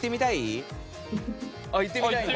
あっ行ってみたいんだ。